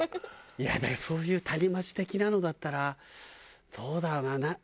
いやだからそういうタニマチ的なのだったらどうだろうな？